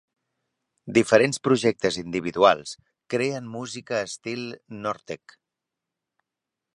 Diferents projectes individuals creen música estil nortech.